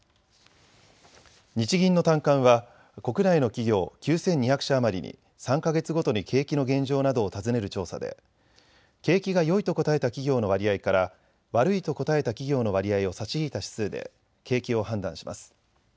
日銀の短観は国内の企業９２００社余りに３か月ごとに景気の現状などを尋ねる調査で景気がよいと答えた企業の割合から悪いと答えた企業の割合を差し引いた指数で景気を判断します。